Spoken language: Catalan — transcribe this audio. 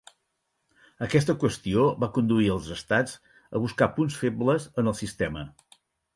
Aquesta qüestió va conduir als estats a buscar punts febles en el sistema.